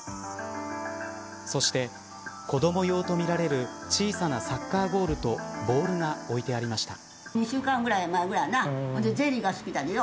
そして、子ども用とみられる小さなサッカーゴールとボールが置いてありました。